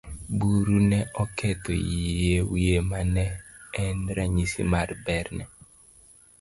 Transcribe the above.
Buru ne oketho yie wiye mane en ranyisi mar berne.